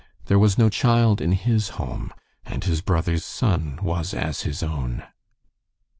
There was no child in his home, and his brother's son was as his own.